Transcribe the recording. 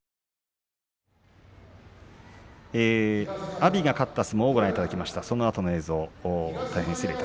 阿炎が勝った相撲をご覧いただきました。